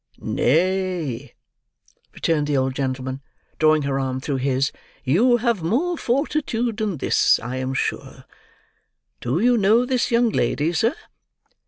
"Nay," returned the old gentlman, drawing her arm through his; "you have more fortitude than this, I am sure. Do you know this young lady, sir?"